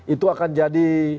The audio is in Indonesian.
itu akan jadi